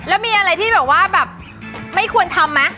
แล้วมีอะไรที่แบบว่าแบบไม่ควรทำไหม